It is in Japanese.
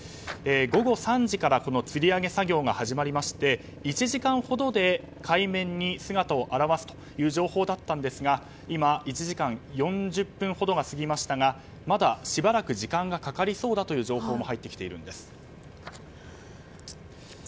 午後３時からつり上げ作業が行われまして１時間ほどで海面に姿を現すという情報でしたが今、１時間４０分ほどが過ぎましたが、まだしばらく時間がかかりそうだという情報も入ってきているんです。